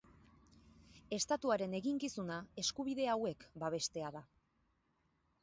Estatuaren eginkizuna eskubide hauek babestea da.